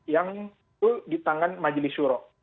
yang ditangan majelis suro